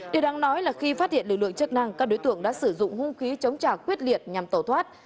điều đáng nói là khi phát hiện lực lượng chức năng các đối tượng đã sử dụng hung khí chống trả quyết liệt nhằm tẩu thoát